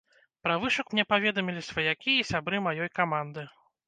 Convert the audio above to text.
Пра вышук мне паведамілі сваякі і сябры маёй каманды.